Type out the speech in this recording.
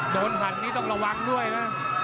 หั่นนี้ต้องระวังด้วยนะ